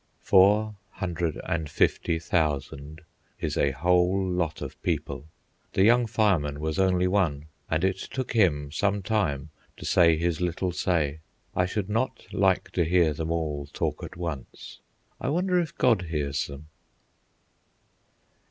Four hundred and fifty thousand is a whole lot of people. The young fireman was only one, and it took him some time to say his little say. I should not like to hear them all talk at once. I wonder if God hears them?